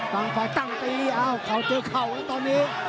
ต่างฝ่ายตั้งตีอ้าวเข่าเจอเข่าไว้ตอนนี้